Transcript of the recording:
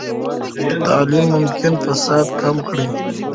تعلیم ممکن فساد کم کړي.